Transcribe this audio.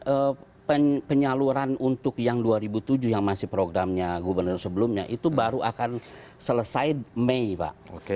nah penyaluran untuk yang dua ribu tujuh yang masih programnya gubernur sebelumnya itu baru akan selesai mei pak